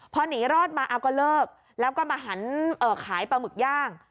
พอหนีรอดมาเอาก็เลิกแล้วก็มาหันขายปลาหมึกย่าง